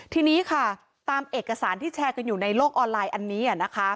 ทีนี้ค่ะตามเอกสารที่แชร์กันอยู่ในโลกออนไลน์อันนี้นะคะ